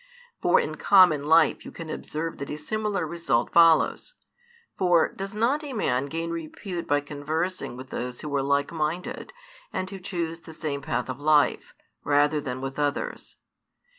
For in common life you can observe that a similar result follows: for does not a man gain repute by conversing with those who are likeminded and who choose the same path of life, rather than with others?